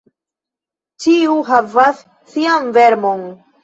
Ĉiu havas sian vermon.